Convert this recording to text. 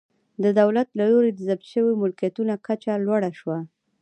د دولت له لوري د ضبط شویو ملکیتونو کچه لوړه شوه